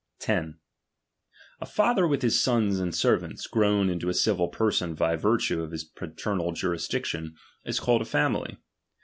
^t 10. A. father with his sons and servants, grown TiiprBb uiB ^fc into a civil person by virtue of his paternal juris '^""i^^lJ^, W diction, is called a. family.